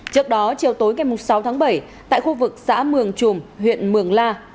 trước đó chiều tối ngày sáu tháng bảy tại khu vực xã mường chùm huyện mường la